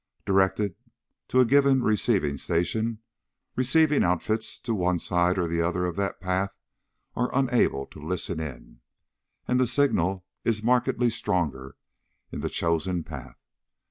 Directed to a given receiving station, receiving outfits to one side or the other of that path are unable to listen in, and the signal is markedly stronger in the chosen path.